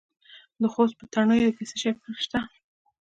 د خوست په تڼیو کې څه شی شته؟